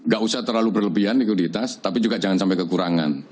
gak usah terlalu berlebihan likuiditas tapi juga jangan sampai kekurangan